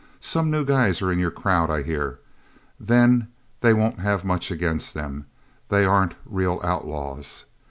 Some new guys are in your crowd, I hear? Then they won't have much against them they aren't real outlaws.